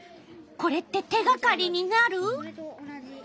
これって手がかりになる？